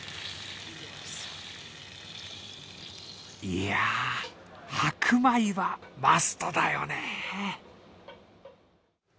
いや、白米はマストだよね。